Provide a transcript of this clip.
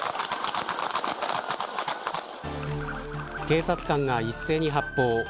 警察官が一斉に発砲。